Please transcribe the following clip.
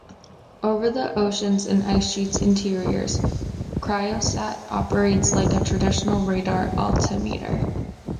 Over the oceans and ice sheet interiors, CryoSat operates like a traditional radar altimeter.